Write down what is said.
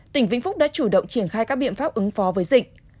tỉnh vĩnh phúc đã chủ động triển khai các biện pháp ứng phó với dịch